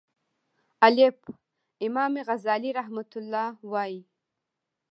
الف : امام غزالی رحمه الله وایی